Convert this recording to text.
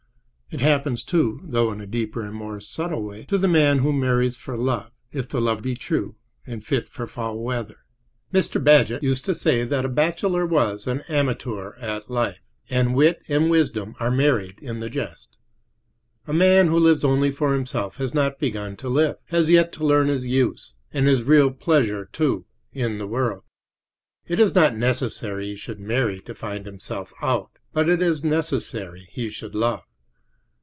It happens, too, though in a deeper and more subtle way, to the man who marries for love, if the love be true and fit for foul weather. Mr. Bagehot used to say that a bachelor was "an amateur at life," and wit and wisdom are married in the jest. A man who lives only for himself has not begun to live—has yet to learn his use, and his real pleasure, too, in the world. It is not necessary he should marry to find himself out, but it is necessary he should love.